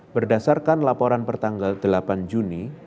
berdasarkan laporan pertanggal delapan juni